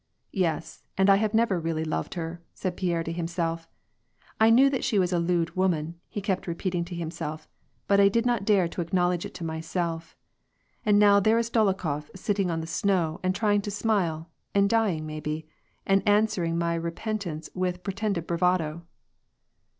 " Yes, and I have never really loved her," said Pierre to himself. " I knew that she was a lewd iroman," he kept repeating to himself, '' but I did not dare to aeknowledge it to myself. And now there is Dolokhof sitting on the snow, and trying to smile, and dying maybe, and answer ing my repentance with pretended bravado